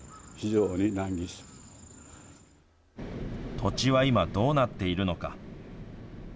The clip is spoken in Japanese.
土地は今どうなっているのか。